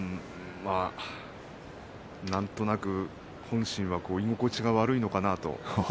なんとなく本心は居心地が悪いのかなと。